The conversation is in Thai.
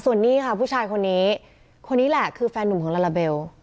ส่วนนี้ค่ะผู้ชายคนนี้คนนี้แหละคือแฟนหนุ่มของลาลาเบล